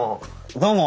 どうも。